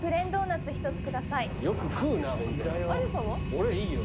俺いいよ。